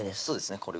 そうですね